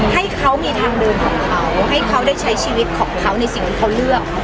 ให้เขามีทางเดินของเขาให้เขาได้ใช้ชีวิตของเขาในสิ่งที่เขาเลือก